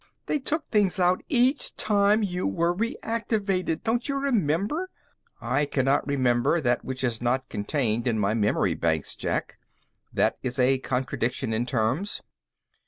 They took things out each time you were reactivated, don't you remember?" "I cannot remember that which is not contained in my memory banks, Jack. That is a contradiction in terms."